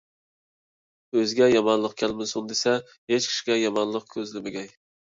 ئۆزىگە يامانلىق كەلمىسۇن دېسە، ھېچ كىشىگە يامانلىق كۆزلىمىگەي.